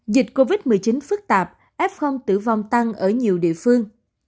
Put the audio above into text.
dịch covid một mươi chín phức tạp f tử vong tăng ở nhiều địa phương